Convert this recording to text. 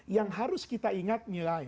yang harus kita ingat